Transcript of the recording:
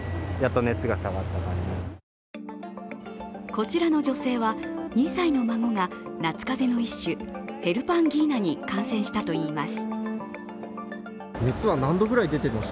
こちらの女性は２歳の孫が夏風邪の一種、ヘルパンギーナに感染したといいます。